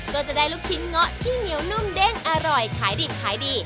ก็จะได้ลูกชิ้นเงาะที่เหนียวนุ่มเด้งอร่อยขายดิบขายดี